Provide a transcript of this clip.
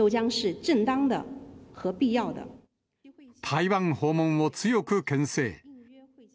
台湾訪問を強くけん制。